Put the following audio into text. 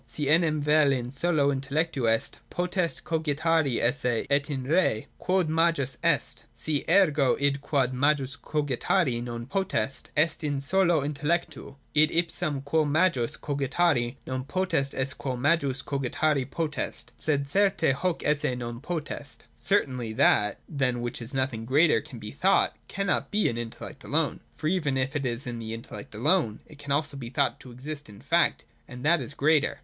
Si enim vel in solo intelledu est, potest cogitari esse et in re : quod majus est. Si ergo id quo majus cogitari non potest, est in solo intelledu ; id ipsum quo majus cogitari non potest, est quo majus cogitari potest. Sed certe hoc esse non potest.' (Certainly that, than which nothing greater can be thought, cannot be in the intellect alone. For even if it is in the intellect alone, it can also be thought to exist in fact : and that is greater.